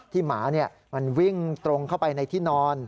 หมามันวิ่งตรงเข้าไปในที่นอน